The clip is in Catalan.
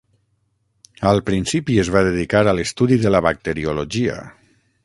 Al principi es va dedicar a l'estudi de la bacteriologia.